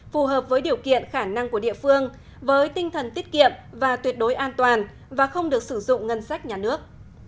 phù hợp với điều kiện khả năng của địa phương với tinh thần tiết kiệm và tuyệt đối an toàn và không được sử dụng ngân sách nhà nước